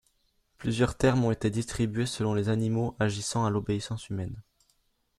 Plusieurs termes ont été distribués selon les animaux agissant à l'obéissance humaine.